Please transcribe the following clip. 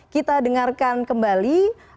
kita dengarkan kembali